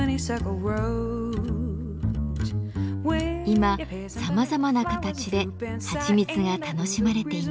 今さまざまな形ではちみつが楽しまれています。